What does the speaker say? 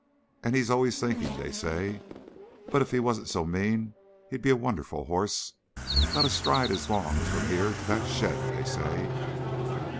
And he's always thinking, they say. But if he wasn't so mean he'd be a wonderful hoss. Got a stride as long as from here to that shed, they say."